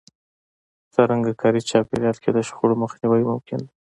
څرنګه کاري چاپېريال کې د شخړو مخنيوی ممکن دی؟